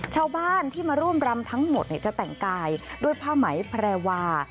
ชาวบ้านที่มาร่วมรำทั้งหมดจะแต่งกายด้วยผ้าไหมแพรวา